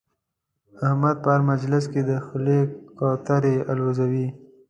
احمد په هر مجلس کې د خولې کوترې اولوزوي.